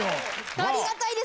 ありがたいです。